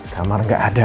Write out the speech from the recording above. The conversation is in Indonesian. kamar gak ada